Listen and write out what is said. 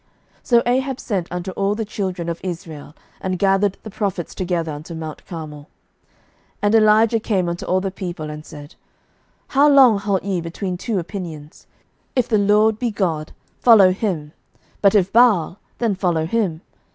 11:018:020 So Ahab sent unto all the children of Israel, and gathered the prophets together unto mount Carmel. 11:018:021 And Elijah came unto all the people, and said, How long halt ye between two opinions? if the LORD be God, follow him: but if Baal, then follow him.